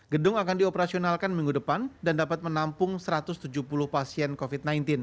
gedung akan dioperasionalkan minggu depan dan dapat menampung satu ratus tujuh puluh pasien covid sembilan belas